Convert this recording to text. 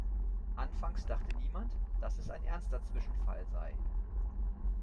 Anfangs dachte niemand, dass es ein ernster Zwischenfall sei.